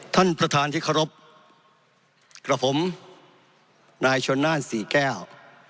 ท่านประธานที่เคารพกับผมนายชนน่านสี่แก้ว